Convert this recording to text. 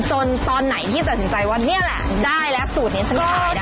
ตอนไหนที่ตัดสินใจว่านี่แหละได้แล้วสูตรนี้ฉันขายได้